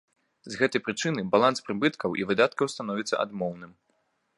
З гэтай прычыны баланс прыбыткаў і выдаткаў становіцца адмоўным.